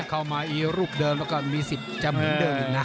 เข้ามารูปเดิมแล้วก็มีสิทธิ์จำหนึ่งเดิมอีกนะ